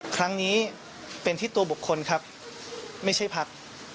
ครั้งนี้เป็นที่ตัวบุคคลครับไม่ใช่พัก